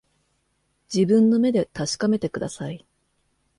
自分の目で確かめてください